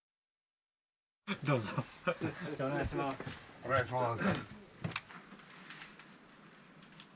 お願いします。